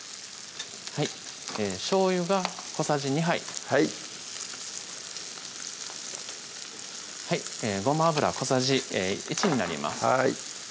しょうゆが小さじ２杯はいごま油小さじ１になります